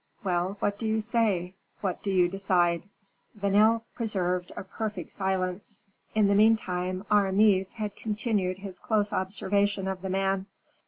Well, what do you say? what do you decide?" Vanel preserved a perfect silence. In the meantime, Aramis had continued his close observation of the man.